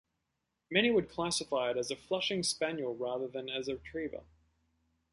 Many would classify it as a flushing spaniel rather than as a retriever.